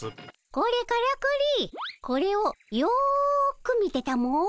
これからくりこれをよく見てたも。